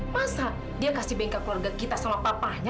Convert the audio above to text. masa dia kasih bengkel keluarga kita sama papanya